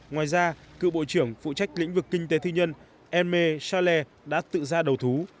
ngoài ra cựu bộ trưởng phụ trách lĩnh vực kinh tế thư nhân aimé chalet đã tự ra đầu thú